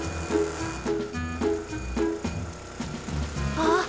あっ。